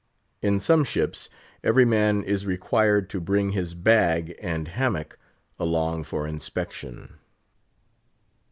In some ships, every man is required to bring his bag and hammock along for inspection.